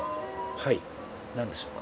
はい何でしょうか？